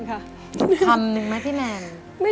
ฉันความมีปั้นสิ